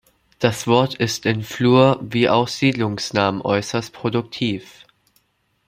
Das Wort ist in Flur- wie auch Siedlungsnamen äußerst produktiv.